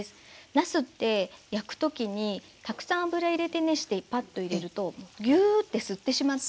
なすって焼く時にたくさん油入れて熱してパッと入れるとギューッて吸ってしまって。